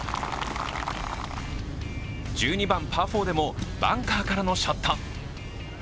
１２番パー４でも、バンカーからのショット。